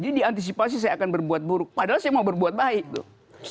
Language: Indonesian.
jadi diantisipasi saya akan berbuat buruk padahal saya mau berbuat baik tuh